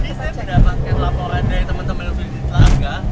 tadi saya sudah pakai laporan dari teman teman yang sedang di telaga